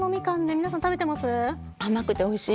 皆さん食べてます？